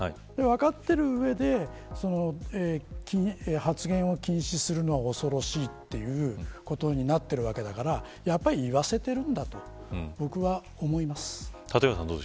分かっている上で発言を禁止するのは恐ろしいということになっているわけだからやっぱり言わせてるんだと僕は思います。